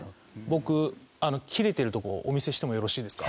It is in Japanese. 僕切れてるとこお見せしてもよろしいですか？